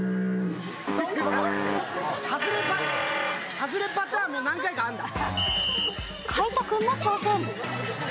ハズレパターンも何回かあるんだ。